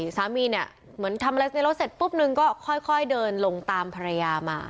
สามีเนี่ยเหมือนทำอะไรในรถเสร็จปุ๊บนึงก็ค่อยเดินลงตามภรรยามา